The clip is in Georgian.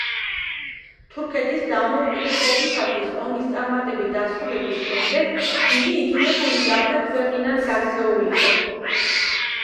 თურქეთის დამოუკიდებლობისათვის ომის წარმატებით დასრულების შემდეგ იგი იძულებული გახდა ქვეყნიდან გაქცეულიყო.